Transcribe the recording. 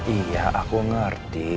iya aku ngerti